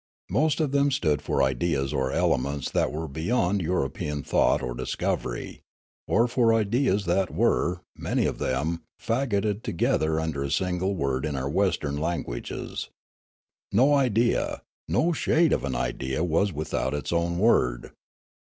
Most of them stood for ideas or elements that were beyond European thought or discovery, or for ideas that were, many of them, fagoted together under a single word in our Western languages. No idea, no shade of an idea was without its own word.